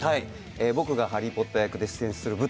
僕がハリー・ポッター役で出演する舞台